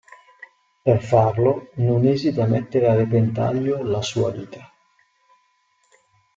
Per farlo, non esita a mettere a repentaglio la sua vita.